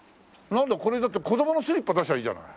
なんだこれだって子供のスリッパ出せばいいじゃない。